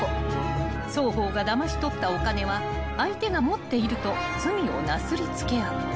［双方がだまし取ったお金は相手が持っていると罪をなすり付け合う］